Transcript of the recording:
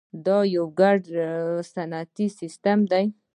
دا یو ګډ صنعتي سیستم دی.